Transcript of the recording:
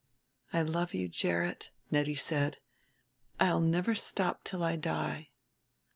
"I love you, Gerrit," Nettie said; "I'll never stop till I die."